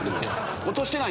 落としてない？